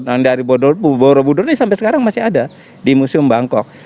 nah dari borobudur ini sampai sekarang masih ada di museum bangkok